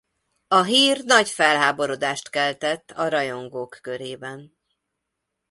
A hír nagy felháborodást keltett a rajongók körében.